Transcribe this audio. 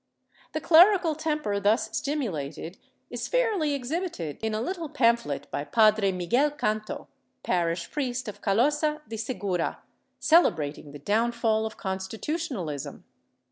^ The clerical temper thus stimulated is fairly exhibited in a little pamphlet by Padre Miguel Canto, parish priest of Callosa de Segura, celebrating the downfall of Constitutionalism.